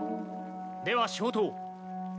では消灯。